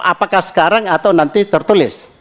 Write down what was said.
apakah sekarang atau nanti tertulis